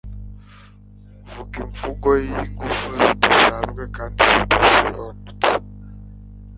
Vuga Imvugo yingufu zidasanzwe kandi zidasobanutse